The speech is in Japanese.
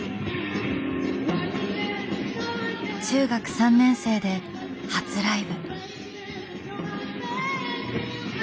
中学３年生で初ライブ。